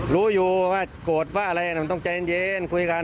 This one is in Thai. รู้อยู่ว่าโกรธว่าอะไรมันต้องใจเย็นคุยกัน